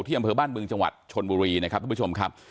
อำเภอบ้านบึงจังหวัดชนบุรีนะครับทุกผู้ชมครับ